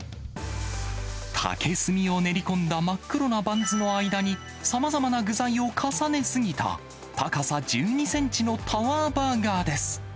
竹炭を練り込んだ真っ黒なバンズの間に、さまざまな具材を重ねすぎた高さ１２センチのタワーバーガーです。